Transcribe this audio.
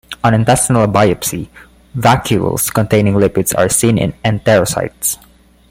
On intestinal biopsy, vacuoles containing lipids are seen in enterocytes.